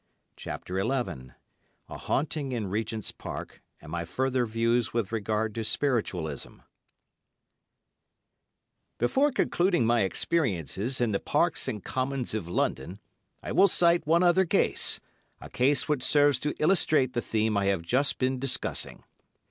CHAPTER XI A HAUNTING IN REGENT'S PARK, AND MY FURTHER VIEWS WITH REGARD TO SPIRITUALISM Before concluding my experiences in the parks and commons of London, I will cite one other case, a case which serves to illustrate the theme I have just been discussing.